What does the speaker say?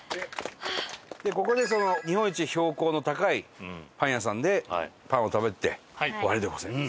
ここでその日本一標高の高いパン屋さんでパンを食べて終わりでございます。